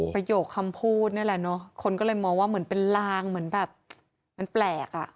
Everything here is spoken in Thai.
ประโยคคำพูดนี่แหละเนอะคนก็เลยมองว่าเหมือนเป็นลางเหมือนแบบมันแปลกอ่ะ